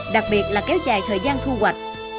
đặc biệt là kéo dài thời gian thu hoạch